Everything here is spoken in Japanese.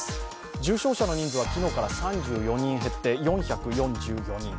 重症者の人数は昨日から３４人減って４４４人。